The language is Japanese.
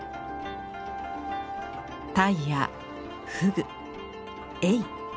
タイやフグエイ。